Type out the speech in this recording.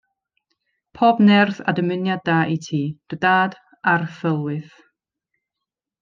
Pob nerth a dymuniad da i ti, dy dad a'r thylwyth.